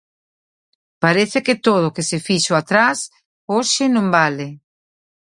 Parece que todo o que se fixo atrás hoxe non vale.